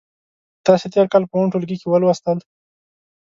تاسې تېر کال په اووم ټولګي کې ولوستل.